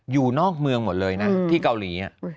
อยู่นอกเมืองหมดเลยนะที่เกาหลี